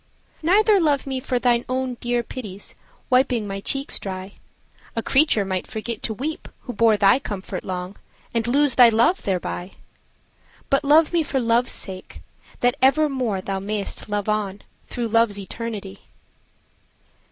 Neither love me for Thine own dear pity's wiping my cheek dry, A creature might forget to weep, who bore Thy comfort long, and lose thy love thereby! But love me for love's sake, that evermore Thou may'st love on, through love's eternity.